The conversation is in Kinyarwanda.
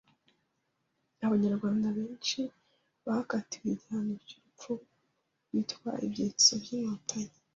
Abanyarwanda benshi bakatiwe igihano cy’urupfu bitwa ibyitso by’Inkontanyi